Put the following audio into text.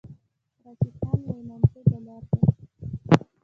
راشد خان یو نامتو بالر دئ.